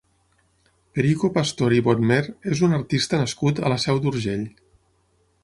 Perico Pastor i Bodmer és un artista nascut a la Seu d'Urgell.